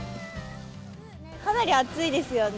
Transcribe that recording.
かなり暑いですよね。